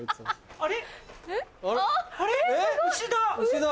あれ？